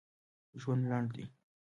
ژوند لنډ دی